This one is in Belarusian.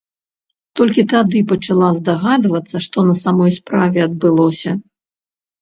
Толькі тады пачала здагадвацца, што на самой справе адбылося.